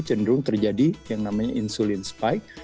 cenderung terjadi yang namanya insulin spike